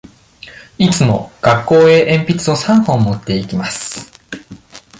いつも学校へ鉛筆を三本持って行きます。